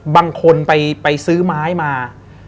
บางคนไปซื้อไม้มา